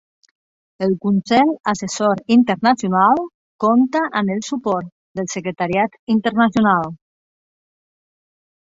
El Consell Assessor Internacional compta amb el suport del Secretariat Internacional.